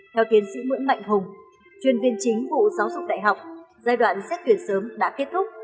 theo tiến sĩ nguyễn mạnh hùng chuyên viên chính vụ giáo dục đại học giai đoạn xét tuyển sớm đã kết thúc